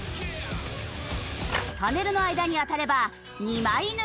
パネルの間に当たれば２枚抜きも！